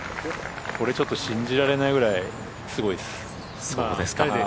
これ、ちょっと信じられないぐらいすごいです。